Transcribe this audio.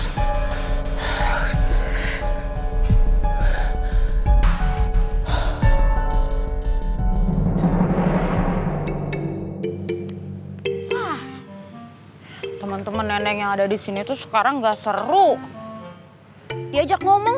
ah ah ah a hai mbak hai hai teman nenek yang ada disini tuh sekarang enggak seru diajak ngomong